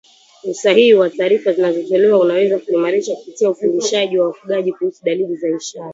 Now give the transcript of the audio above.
Usahihi wa taarifa zinazotolewa unaweza kuimarishwa kupitia ufundishaji wa wafugaji kuhusu dalili na ishara